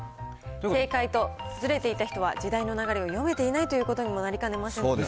正解とずれていた人は、時代の流れを読めていないということになりかねないので。